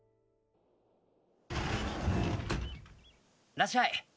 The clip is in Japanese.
・らっしゃい。